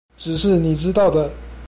只是你知道的